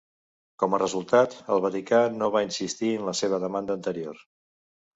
Com a resultat, el Vaticà no va insistir en la seva demanda anterior.